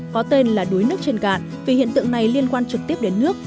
có tên là đuối nước trên cạn vì hiện tượng này liên quan trực tiếp đến nước